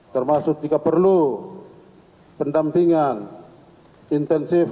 termasuk juga perlu pendampingan intensif